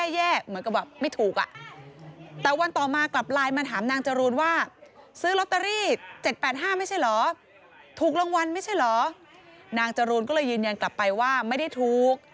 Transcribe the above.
แย่เหมือนกับแบบไม่ถูก